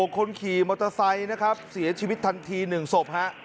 คนขี่มอเตอร์ไซค์นะครับเสียชีวิตทันที๑ศพฮะ